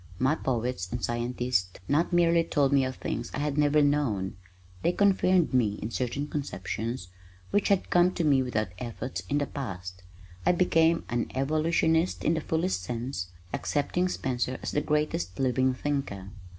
My poets and scientists not merely told me of things I had never known, they confirmed me in certain conceptions which had come to me without effort in the past. I became an evolutionist in the fullest sense, accepting Spencer as the greatest living thinker.